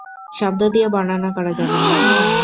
শব্দ দিয়ে বর্ণনা করা যাবে না।